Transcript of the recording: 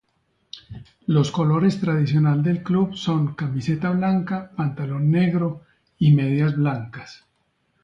Los colores tradicionales del club son camiseta blanca, pantalón negro y medias blancas.